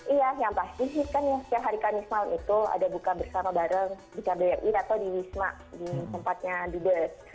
iya yang pasti sih kan yang setiap hari kamis malam itu ada buka bersama bareng di kbri atau di wisma di tempatnya dubes